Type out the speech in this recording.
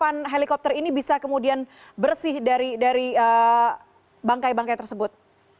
kapan helikopter ini bisa kemudian bersih dari bangkai bangkai tersebut